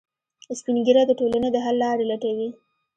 سپین ږیری د ټولنې د حل لارې لټوي